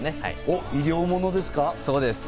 医療ものですか？